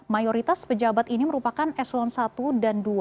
mayoritas pejabat ini merupakan eselon satu dan dua